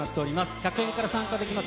１００円から参加できます。